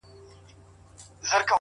زړورتیا د عمل کولو توان دی.!